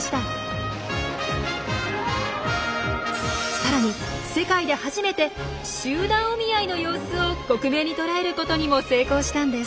さらに世界で初めて「集団お見合い」の様子を克明に捉えることにも成功したんです。